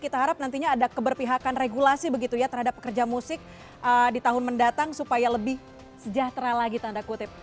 kita harap nantinya ada keberpihakan regulasi begitu ya terhadap pekerja musik di tahun mendatang supaya lebih sejahtera lagi tanda kutip